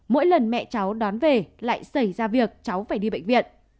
mỗi lần mẹ cháu đón về lại xảy ra việc cháu phải đi bệnh viện